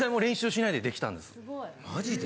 マジで？